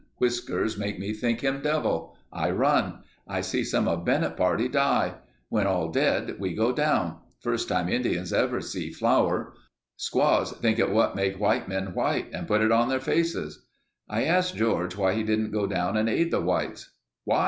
Whiskers make me think him devil. I run. I see some of Bennett party die. When all dead, we go down. First time Indians ever see flour. Squaws think it what make white men white and put it on their faces." I asked George why he didn't go down and aid the whites. "Why?"